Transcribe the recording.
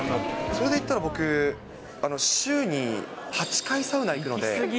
それでいったら僕、週に８回、サウナ行くので。